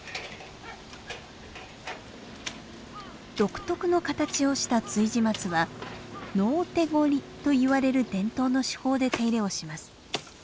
独特の形をした築地松は陰手刈りといわれる伝統の手法で手入れをします。